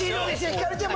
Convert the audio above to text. ひかるちゃん